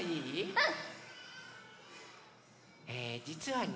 うん。